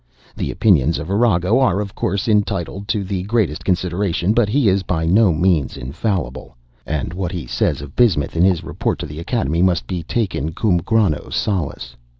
The opinions of Arago are, of course, entitled to the greatest consideration; but he is by no means infallible; and what he says of bismuth, in his report to the Academy, must be taken cum grano salis.